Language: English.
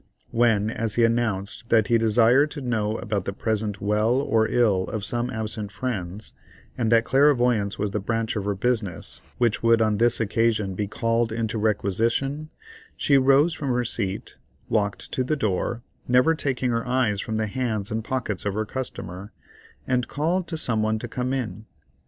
When as he announced that he desired to know about the present well or ill of some absent friends, and that clairvoyance was the branch of her business which would on this occasion be called into requisition, she rose from her seat, walked to the door, never taking her eyes from the hands and pockets of her customer, and called to some one to come in.